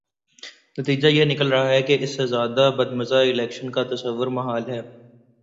نتیجہ یہ نکل رہا ہے کہ اس سے زیادہ بدمزہ الیکشن کا تصور محال ہے۔